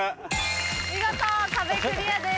見事壁クリアです。